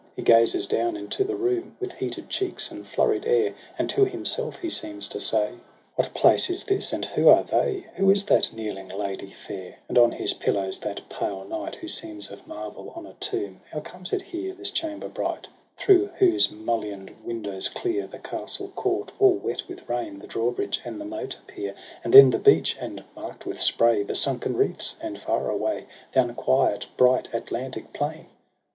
He gazes down into the room With heated cheeks and flurried air. And to himself he seems to say: ' What place is this, and who are they? Who is that kneeling Lady fair ? TRISTRAM AND ISEULT. 217 And on his pillows thai pale Knight Who seems of marble on a tomb ? How comes it here, this chamber bright, Through whose mulliond windows clear The castle court all wet with rain, The drawbridge and the moat appear, And then the beach, and, mark'd with spray, The sunken reefs, and far aivay The unquiet bright Atlantic plain?